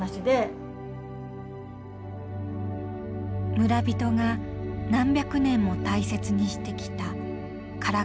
村人が何百年も大切にしてきたからかさ松。